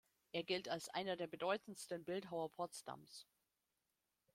Er gilt als einer der bedeutendsten Bildhauer Potsdams.